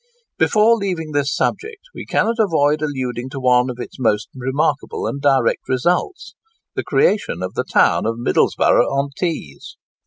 Before leaving this subject, we cannot avoid alluding to one of its most remarkable and direct results—the creation of the town of Middlesborough on Tees.